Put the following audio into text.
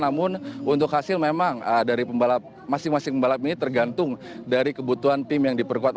namun untuk hasil memang dari pembalap masing masing pembalap ini tergantung dari kebutuhan tim yang diperkuat